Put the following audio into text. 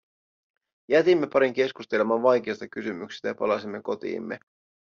Jätimme parin keskustelemaan vaikeasta kysymyksestä, ja palasimme kotiimme.